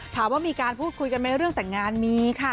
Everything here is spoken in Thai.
ถามว่ามีการพูดคุยกันไหมเรื่องแต่งงานมีค่ะ